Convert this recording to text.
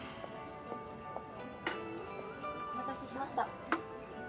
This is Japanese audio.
お待たせしました。